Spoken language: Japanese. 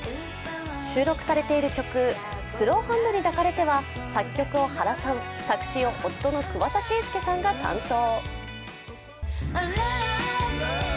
収録されている曲「スローハンドに抱かれて」は作曲を原さん、作詞を夫の桑田佳祐さんが担当。